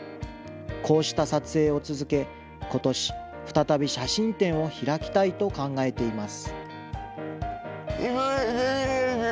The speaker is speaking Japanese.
こうした撮影を続け、ことし、再び写真展を開きたいと考えています。